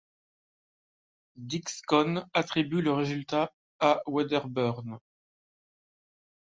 Dicskon attribue le résultat à Wedderburn.